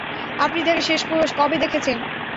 আপনি তাকে শেষ কবে দেখেছেন?